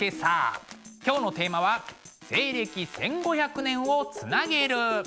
今日のテーマは「西暦１５００年をつなげる」です。